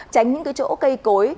tránh những chỗ cây cối